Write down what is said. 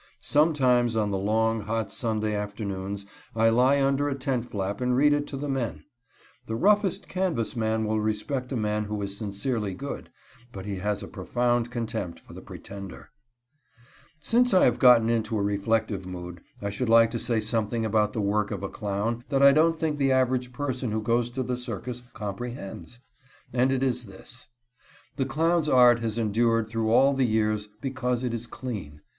Sometimes on the long, hot Sunday afternoons I lie under a tent flap and read it to the men. The roughest canvas man will respect a man who is sincerely good, but he has a profound contempt for the pretender. [Illustration: "I HAVE MADE COUNTLESS CHILDREN CLAP THEIR LITTLE HANDS WITH GLEE."] Since I have gotten into a reflective mood I should like to say something about the work of a clown that I don't think the average person who goes to the circus comprehends, and it is this: the clown's art has endured through all the years because it is clean.